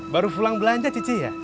baru pulang belanja cici ya